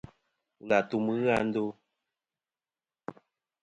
Wul àtum ghɨ a ndo.